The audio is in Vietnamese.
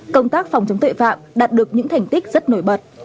công tác phòng chống tội phạm đạt được những thành tích rất nổi bật